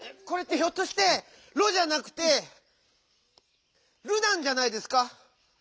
これってひょっとして「ろ」じゃなくて「る」なんじゃないですか？